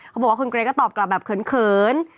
เขาบอกว่าคุณเกรทก็ตอบกลับแบบเขิน